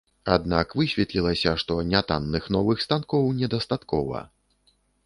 Аднак высветлілася, што нятанных новых станкоў недастаткова.